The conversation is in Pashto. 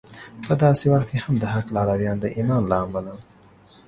په داسې وخت کې هم د حق لارویان د ایمان له امله